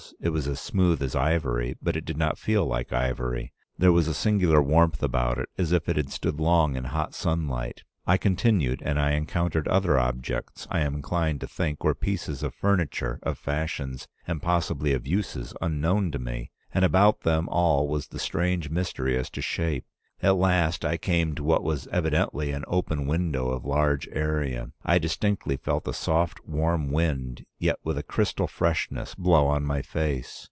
It was as smooth as ivory, but it did not feel like ivory; there was a singular warmth about it, as if it had stood long in hot sunlight. I continued, and I encountered other objects I am inclined to think were pieces of furniture of fashions and possibly of uses unknown to me, and about them all was the strange mystery as to shape. At last I came to what was evidently an open window of large area. I distinctly felt a soft, warm wind, yet with a crystal freshness, blow on my face.